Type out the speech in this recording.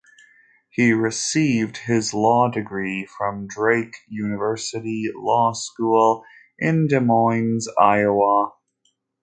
He received his law degree from Drake University Law School in Des Moines, Iowa.